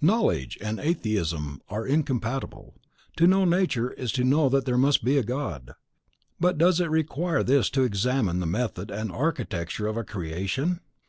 Knowledge and atheism are incompatible. To know Nature is to know that there must be a God. But does it require this to examine the method and architecture of creation?